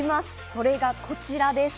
それがこちらです。